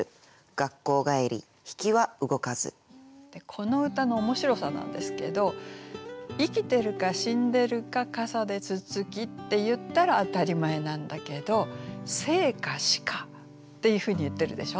この歌の面白さなんですけど「生きてるか死んでるか傘でつつつき」って言ったら当たり前なんだけど「生か死か」っていうふうに言ってるでしょ。